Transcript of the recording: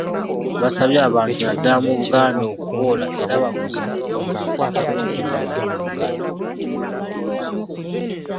Basabye abantu naddala mu Buganda okuboola era bavumirire omuntu agezaako okutabaala Obuganda ng'atyoboola obuwangwa.